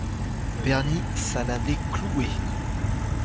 Bernie, ça l’avait cloué.